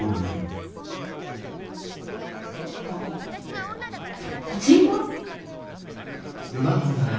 あっパチンコ？